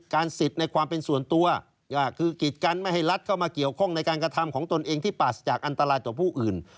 คิดกันไม่ให้ลัดเข้ามาเกี่ยวข้องในการกระทำของตนเองที่ปาสจากอันตรายต่อผู้อื่น